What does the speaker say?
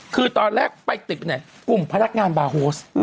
คือตอนแรกไปติดกลุ่มพนักงานบาร์โฮส